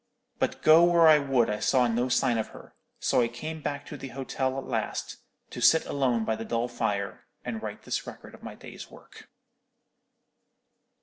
But go where I would I saw no sign of her; so I came back to the hotel at last, to sit alone by the dull fire, and write this record of my day's work."